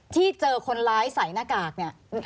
ที่เจอคนร้ายใส่หน้ากากเนี่ย